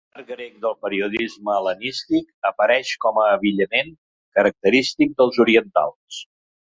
En l'art grec del període hel·lenístic apareix com a abillament característic dels orientals.